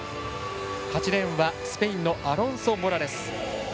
８レーンはスペインのアロンソモラレス。